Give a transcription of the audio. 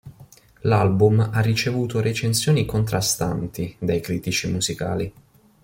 L’album ha ricevuto recensioni contrastanti dai critici musicali.